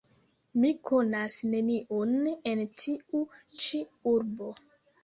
Mi konas neniun en tiu ĉi urbo.